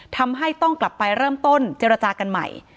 ทำให้ต้องกลับไปเริ่มต้นเจรจากันใหม่